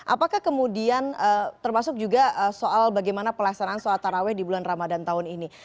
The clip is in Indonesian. apakah kemudian termasuk juga soal bagaimana pelaksanaan sholat taraweh di bulan ramadan tahun ini